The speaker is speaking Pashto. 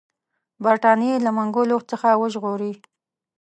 برټانیې له منګولو څخه وژغوري.